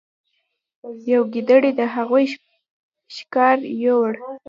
یوې ګیدړې د هغوی ښکار یووړ.